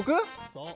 そう。